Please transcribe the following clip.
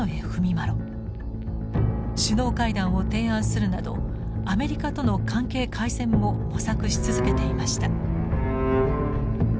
首脳会談を提案するなどアメリカとの関係改善も模索し続けていました。